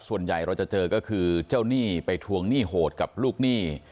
ส่วนใหญ่เราจะเจอก็คือเจ้าหนี้ไปทวงหนี้โหดกับลูกหนี้